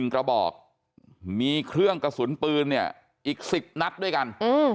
กระบอกมีเครื่องกระสุนปืนเนี่ยอีก๑๐นัดด้วยกัน